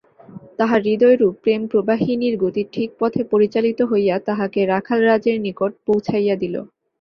তাঁহার হৃদয়রূপ প্রেম-প্রবাহিণীর গতি ঠিক পথে পরিচালিত হইয়া তাঁহাকে রাখালরাজের নিকট পৌঁছাইয়া দিল।